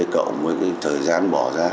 cộng với cái thời gian bỏ ra